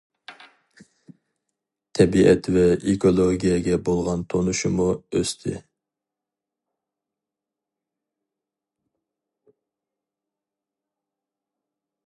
تەبىئەت ۋە ئېكولوگىيەگە بولغان تونۇشىمۇ ئۆستى.